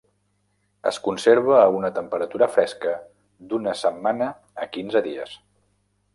Es conserva a una temperatura fresca d'una setmana a quinze dies.